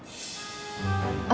dih sese banget deh